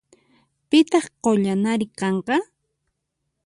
Pitaq qullanari kanqa?